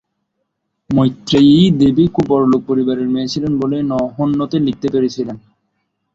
মৈত্রেয়ী দেবী খুব বড়লোক পরিবারের মেয়ে ছিলেন বলেই ন হন্যতে লিখতে পেরেছিলেন।